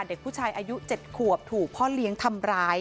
เด็กผู้ชายอายุ๗ขวบถูกพ่อเลี้ยงทำร้าย